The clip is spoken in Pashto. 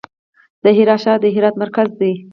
د هرات ښار د هرات مرکز دی